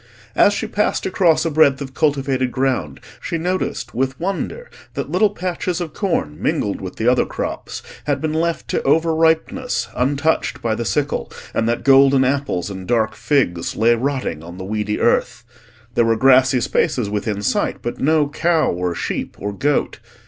As she passed across a breadth of cultivated ground, she noticed, with wonder, that little patches of corn mingled with the other crops had been left to over ripeness untouched by the sickle, and that golden apples and dark figs lay rotting on the weedy earth. There were grassy spaces within sight, but no cow, or sheep, or goat.